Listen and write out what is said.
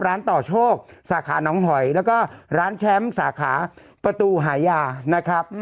ต่อโชคสาขาน้องหอยแล้วก็ร้านแชมป์สาขาประตูหายานะครับ